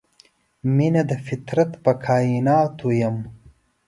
میینه د فطرت په کائیناتو یم